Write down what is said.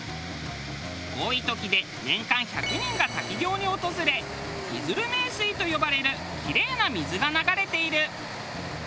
多い時で年間１００人が滝行に訪れいづる名水と呼ばれるキレイな水が流れている。